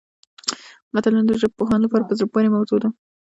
متلونه د ژبپوهانو لپاره په زړه پورې موضوع ده